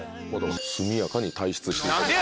速やかに退出していただいて。